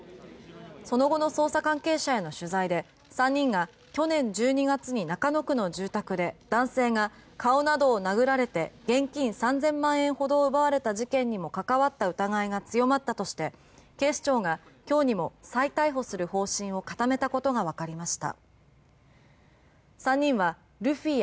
その後の捜査関係者への取材で３人が去年１２月に中野区の住宅で男性が顔などを殴られて現金３０００万円ほど奪われた事件にも関わった疑いが強まったとして、警視庁が今日にも再逮捕する方針を固めたことがわかりました。